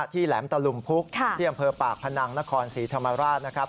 แหลมตะลุมพุกที่อำเภอปากพนังนครศรีธรรมราชนะครับ